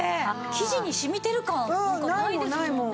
生地に染みてる感ないですもんね。